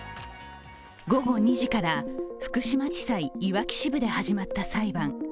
午後２時から、福島地裁いわき支部で始まった裁判。